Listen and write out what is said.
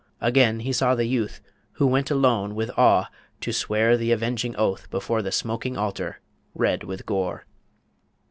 Again he saw The youth who went alone with awe To swear the avenging oath before The smoking altar red with gore.